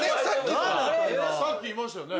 さっきいましたよね。